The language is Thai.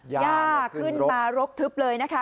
ย่าขึ้นมารบทึบเลยนะคะ